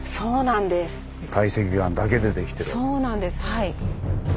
はい。